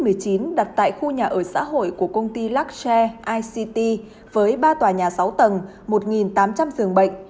cơ sở thu dung đặt tại khu nhà ở xã hội của công ty luxair ict với ba tòa nhà sáu tầng một tám trăm linh giường bệnh